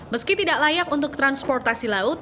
meski tidak layak untuk transportasi laut